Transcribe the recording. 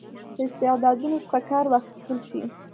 له استعدادونو څخه کار واخیستل شي.